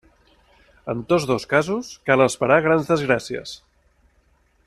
En tots dos casos, cal esperar grans desgràcies.